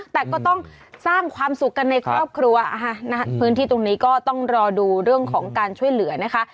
แต่ก็ต้องสร้างความสุขกันในครอบครัวพื้นที่ตรงนี้ก็ต้องรอดูเรื่องของการช่วยเหลือนะคะ